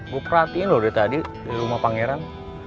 gue perhatiin lo dari tadi di rumah pangeran